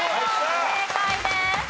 正解です。